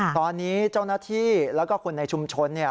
ตอนนี้เจ้าหน้าที่แล้วก็คนในชุมชนเนี่ย